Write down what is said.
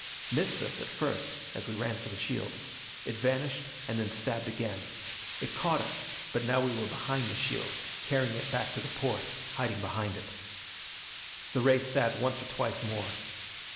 Missed us at first, as we ran for the shield. It vanished, and stabbed again. It caught us, but now we were behind the shield, carrying it back to the porte, hiding behind it. The ray stabbed once or twice more.